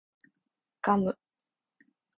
ガム